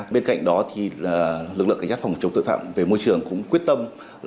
bên cạnh đó thì lực lượng cảnh sát phòng chống tội phạm về môi trường cũng quyết tâm